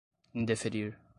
indeferir